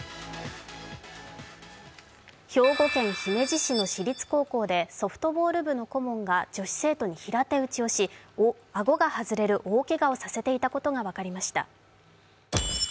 兵庫県姫路市の私立高校でソフトボール部の顧問が女子生徒に平手打ちをしあごが外れる大けがをさせていたことが分かりました。